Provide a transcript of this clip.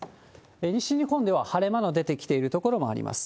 西日本では晴れ間の出てきている所もあります。